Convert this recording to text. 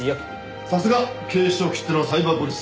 さすが警視庁きってのサイバーポリス！